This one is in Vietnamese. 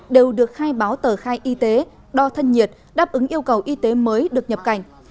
đều được khai báo tờ khai y tế đo thân nhiệt đáp ứng yêu cầu y tế mới được nhập cảnh